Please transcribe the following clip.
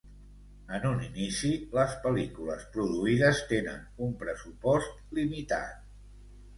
En un inici les pel·lícules produïdes tenen un pressupost limitat.